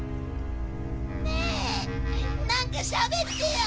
ねえなんかしゃべってよ。